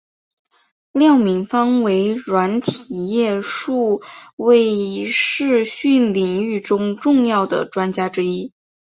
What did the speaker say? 廖敏芳为软体业数位视讯领域中重要的专家之一。